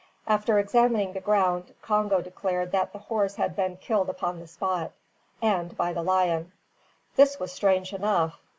After examining the ground, Congo declared that the horse had been killed upon the spot, and by the lion. This was strange enough.